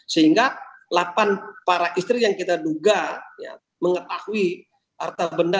sehingga delapan para istri yang kita duga mengetahui harta benda